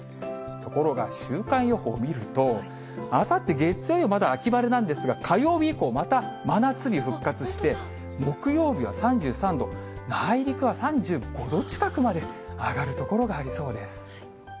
ところが週間予報を見ると、あさって月曜日、まだ秋晴れなんですが、火曜日以降、また真夏日復活して、木曜日は３３度、内陸は３５度近くまで上がる所がありそうです。